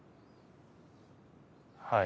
はい。